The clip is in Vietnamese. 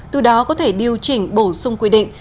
từ đó có thể điều chỉnh bổ sung quy định